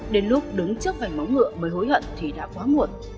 đến lúc đứng trước vài móng ngựa mới hối hận thì đã quá muộn